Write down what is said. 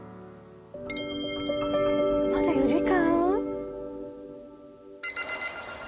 まだ４時間？